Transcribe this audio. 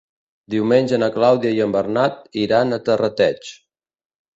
Diumenge na Clàudia i en Bernat iran a Terrateig.